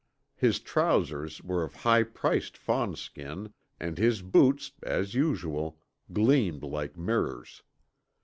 His trousers were of high priced fawnskin, and his boots, as usual, gleamed like mirrors.